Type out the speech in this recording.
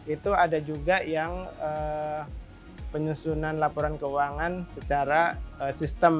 itu ada juga yang penyusunan laporan keuangan secara sistem